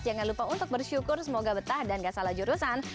jangan lupa untuk bersyukur semoga betah dan gak salah jurusan